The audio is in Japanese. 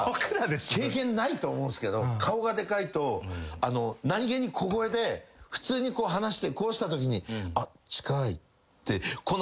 経験ないと思うんすけど顔がでかいと何げに小声で普通に話してこうしたときに。